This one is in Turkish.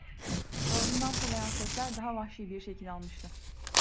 Boğazından fırlayan sesler daha vahşi bir şekil almıştı.